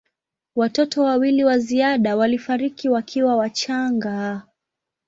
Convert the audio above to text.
Watoto wawili wa ziada walifariki wakiwa wachanga.